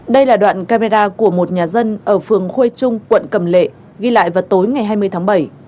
đây là đoạn camera của một nhà dân ở phường khuê trung quận cầm lệ ghi lại vào tối ngày hai mươi tháng bảy